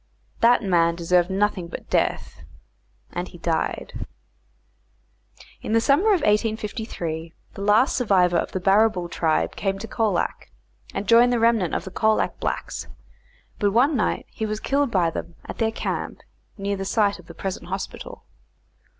That man deserved nothing but death, and he died. In the summer of 1853, the last survivor of the Barrabool tribe came to Colac, and joined the remnant of the Colac blacks, but one night he was killed by them at their camp, near the site of the present hospital.